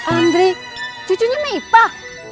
andri cucunya mipah